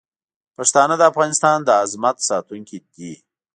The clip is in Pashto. پښتانه د افغانستان د عظمت ساتونکي دي.